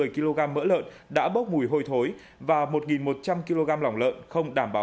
sáu trăm một mươi kg mỡ lợn đã bốc mùi hồi thối và một một trăm linh kg lỏng lợn không đảm bảo